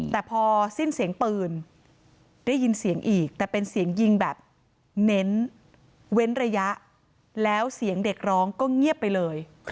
แต่พอสิ้นเสียงปืนได้ยินเสียงอีกแต่เป็นเสียงยิงแบบเน้นเว้นระยะแล้วเสียงเด็กร้องก็เงียบไปเลย